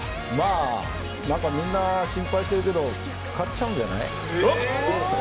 みんな心配しているけど勝っちゃうんじゃない？